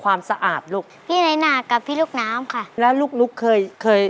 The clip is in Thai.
ความสะอาดลูกพี่ในหน้ากับพี่ลูกน้ำค่ะแล้วลูกนุ๊กเคยเคย